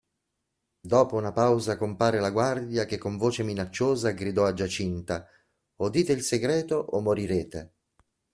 Dopo una pausa compare la guardia che con voce minacciosa gridò a Giacinta:"O dite il segreto o morirete!".